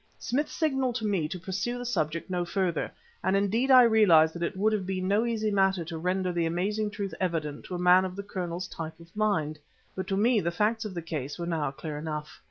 Smith signaled to me to pursue the subject no further; and indeed I realized that it would have been no easy matter to render the amazing truth evident to a man of the Colonel's type of mind. But to me the facts of the case were now clear enough.